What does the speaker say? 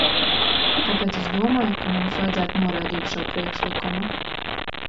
Tāpēc es domāju, ka mums vajadzētu noraidīt šo priekšlikumu.